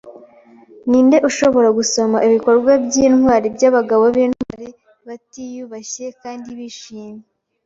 Ninde ushobora gusoma ibikorwa byintwari byabagabo bintwari batiyubashye kandi bishimye?